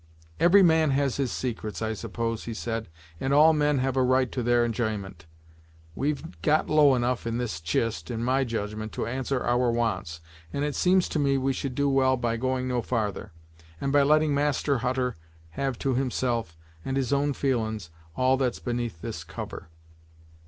"Every man has his secrets, I suppose," he said, "and all men have a right to their enj'yment. We've got low enough in this chist in my judgment to answer our wants, and it seems to me we should do well by going no farther; and by letting Master Hutter have to himself, and his own feelin's, all that's beneath this cover.